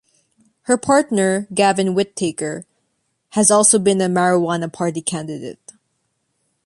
Her partner, Gavin Whittaker, has also been a Marijuana Party candidate.